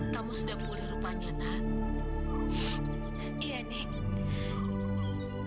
kamu sudah pulih rupanya iya nenek